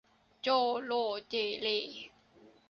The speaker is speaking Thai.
โจ่โหล่เจ่เหล่